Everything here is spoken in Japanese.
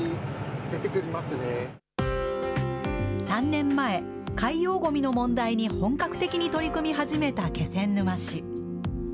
３年前、海洋ごみの問題に本格的に取り組み始めた気仙沼市。